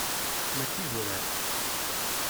Mačči d urar.